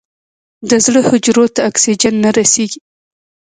د زړه حجرو ته اکسیجن نه رسېږي.